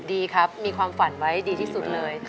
ดีครับมีความฝันไว้ดีที่สุดเลย